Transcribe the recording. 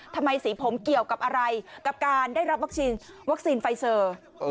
ทำไมสีผมเกี่ยวกับอะไรกับการได้รับวัคซีนวัคซีนไฟเซอร์